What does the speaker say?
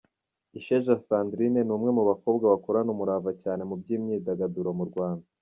Isheja Sandrine, ni umwe mu bakobwa bakorana umurava cyane mu by’imyidagaduro mu Rwanda.